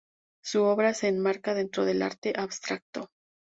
Su obra se enmarca dentro del arte abstracto.